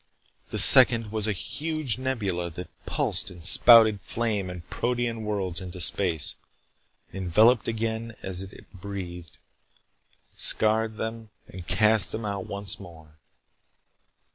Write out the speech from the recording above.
The second was a huge nebula that pulsed and spouted flame and protean worlds into space enveloped them again as it breathed, scared them, and cast them out once more.